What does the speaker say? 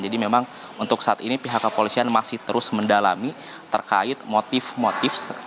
jadi memang untuk saat ini pihak kepolisian masih terus mendalami terkait motif motif